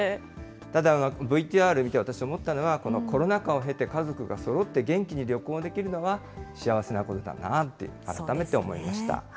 ただ、ＶＴＲ見て、私思ったのは、コロナ禍を経て、家族がそろって元気に旅行できるのは、幸せなことだなあと改めて思いました。